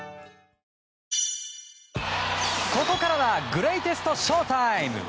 ここからはグレイテストＳＨＯ‐ＴＩＭＥ！